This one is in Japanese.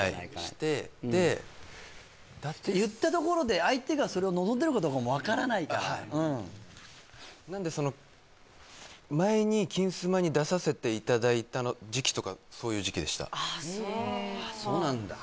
してで舘さん言ったところで相手がそれを望んでるかどうかも分からないからはいなんでその前に「金スマ」に出させていただいた時期とかそういう時期でしたああそうそうなんだ